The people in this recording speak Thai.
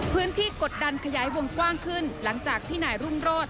กดดันขยายวงกว้างขึ้นหลังจากที่นายรุ่งโรธ